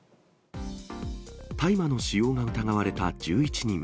大麻の使用が疑われた１１人。